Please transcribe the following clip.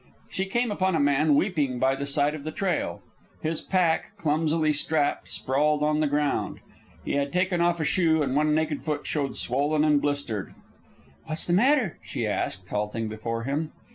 She came upon a man weeping by the side of the trail. His pack, clumsily strapped, sprawled on the ground. He had taken off a shoe, and one naked foot showed swollen and blistered. "What is the matter?" she asked, halting before him.